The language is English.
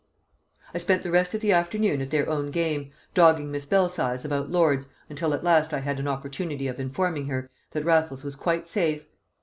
I spent the rest of the afternoon at their own game, dogging Miss Belsize about Lord's until at last I had an opportunity of informing her that Raffles was quite safe.